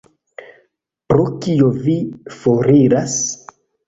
Pro kio vi foriras?